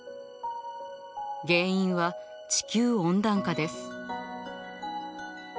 原因は地球温暖化です。